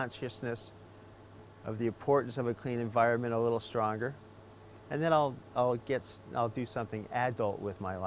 tapi di sini saya hampir lima puluh tahun kemudian dan saya berjuang dengan apa yang saya percaya sebagai masa depan anak anak saya